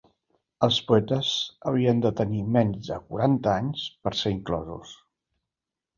Els poetes havien de tenir menys de quaranta anys per ser inclosos.